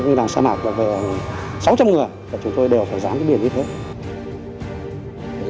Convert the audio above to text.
như là xã mạc sáu trăm linh người chúng tôi đều phải rán cái biển như thế